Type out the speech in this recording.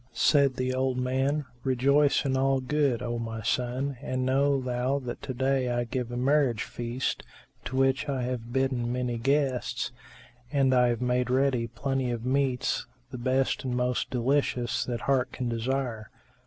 Said the old man, "Rejoice in all good, O my son, and know thou that to day I give a marriage feast, to which I have bidden many guests, and I have made ready plenty of meats, the best and most delicious that heart can desire.